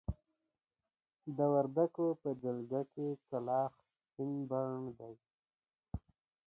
د وردکو په جلګه کې کلاخ شين بڼ دی.